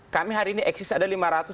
kami hari ini eksis ada lima ratus tujuh belas